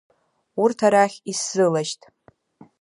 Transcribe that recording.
Урҭ арахь исзылашьҭ!